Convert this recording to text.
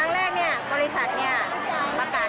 เนื่องจากว่าบริษัทได้ประกาศปิดงาน